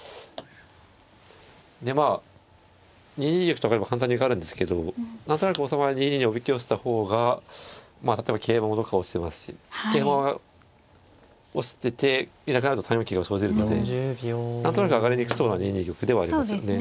でまあ２二玉とかやれば簡単に受かるんですけど何となく王様２二におびき寄せた方が例えば桂馬も落ちてますし桂馬が落ちてていなくなると３四桂が生じるので何となく上がりにくそうな２二玉ではありますよね。